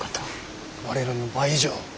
我らの倍以上。